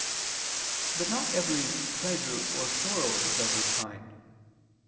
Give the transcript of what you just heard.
But not every pleasure or sorrow is of this kind.